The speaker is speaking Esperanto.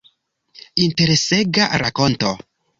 Interesega rakonto.